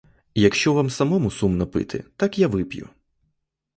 Якщо вам самому сумно пити, так я вип'ю.